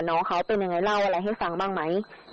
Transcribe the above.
น้องเขาเป็นยังไงเล่าอะไรให้ฟังบ้างไหม